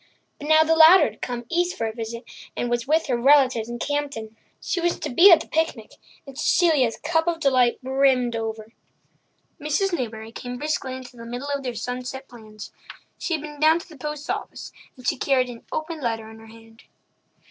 But now the latter had come east for a visit, and was with her relatives in Campden. She was to be at the picnic, and Cecilia's cup of delight brimmed over. Mrs. Newbury came briskly into the middle of their sunset plans. She had been down to the post office, and she carried an open letter in her hand.